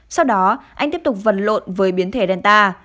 sau đó anh tiếp tục vần lộn với biến thể delta